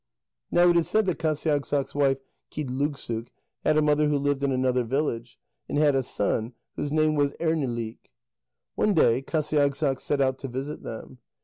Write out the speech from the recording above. Now it is said that Qasiagssaq's wife Qigdlugsuk had a mother who lived in another village, and had a son whose name was Ernilik. One day Qasiagssaq set out to visit them.